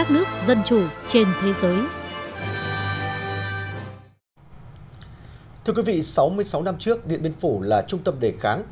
sáu mươi sáu năm trước điện biên phủ là trung tâm đề kháng